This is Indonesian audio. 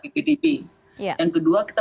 ppdb yang kedua kita